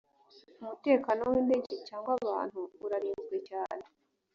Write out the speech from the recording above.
umutekano w indege cyangwa abantu urarinzwe cyane